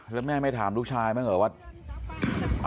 แล้วแม่ไม่ถามลูกชายบ้างเหรอว่า